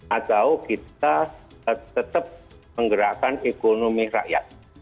atau kita tetap menggerakkan ekonomi rakyat